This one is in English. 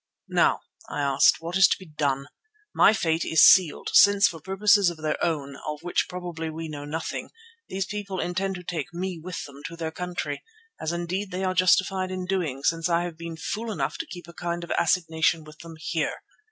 "Now," I asked, "what is to be done? My fate is sealed, since for purposes of their own, of which probably we know nothing, these people intend to take me with them to their country, as indeed they are justified in doing, since I have been fool enough to keep a kind of assignation with them here.